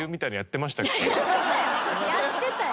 やってたよ！